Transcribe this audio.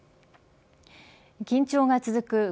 緊張が続く